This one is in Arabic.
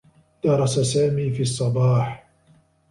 درس سامي في الصّباح.